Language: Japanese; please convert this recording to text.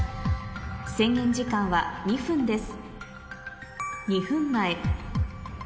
制限時間は２分です